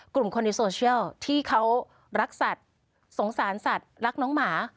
กลุ่มคนในโซเชียลที่เขารักสัตว์สงสารสัตว์รักน้องหมา